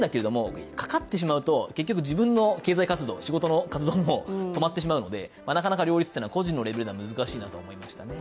かかってしまうと、結局自分の経済活動、仕事の活動も止まってしまうのでなかなか、両立は個人のレベルでは難しいなと思いましたね。